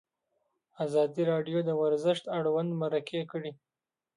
ازادي راډیو د ورزش اړوند مرکې کړي.